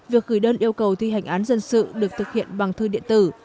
việc gửi đơn yêu cầu thi hành án dân sự được thực hiện bằng thư điện tử